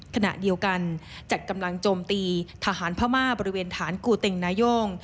ขณะเดียวกันจัดกำลังโจมตีทหารพม่าบริเวณฐานกูเต็งนาย่ง